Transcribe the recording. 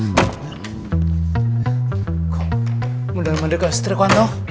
mudah mudahan ganti ke istriku ah tau